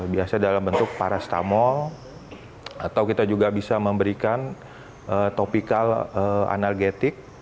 biasa dalam bentuk parastamol atau kita juga bisa memberikan topikal analgetik